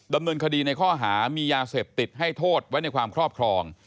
ดำเนินคดีในข้อหามียาเสพติดให้โทษไว้ในความครอบครอง